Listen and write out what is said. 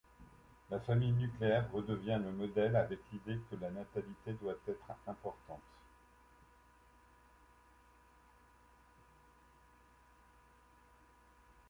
La famille nucléaire redevient le modèle avec l'idée que la natalité doit être importante.